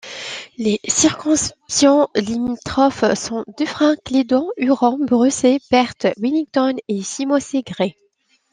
Les circonscriptions limitrophes sont Dufferin—Caledon, Huron—Bruce, Perth—Wellington et Simcoe—Grey.